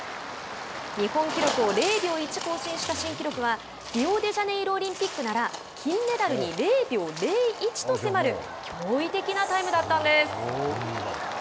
日本記録を０秒１更新した新記録はリオデジャネイロオリンピックなら金メダルに０秒０１と迫る驚異的なタイムだったんです。